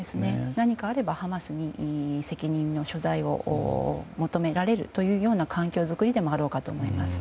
何かあればハマスに責任の所在を求められる環境づくりでもあろうかと思います。